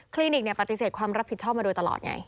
ลินิกปฏิเสธความรับผิดชอบมาโดยตลอดไง